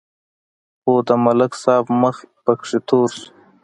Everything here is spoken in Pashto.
خو د ملک صاحب مخ پکې تور شو.